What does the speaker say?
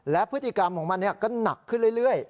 และพฤติกรรมของมันก็หนักขึ้นเรื่อย